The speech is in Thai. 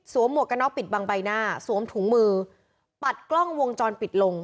หมวกกระน็อปิดบังใบหน้าสวมถุงมือปัดกล้องวงจรปิดลง